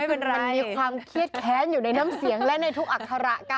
มีความอินสูงมากเลยนะคะ